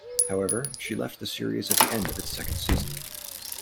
However, she left the series at the end of its second season.